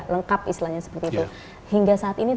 lengkap islanya seperti itu hingga saat